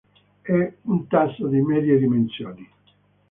È un tasso di medie dimensioni.